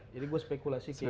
jadi gua spekulasi seperti itu